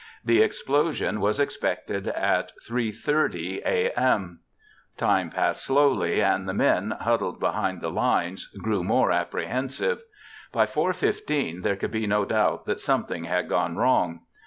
The explosion was expected at 3:30 a.m. Time passed slowly and the men, huddled behind the lines, grew more apprehensive. By 4:15 there could be no doubt that something had gone wrong.